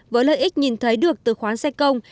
với lợi ích nhìn thấy được từ khoán xe công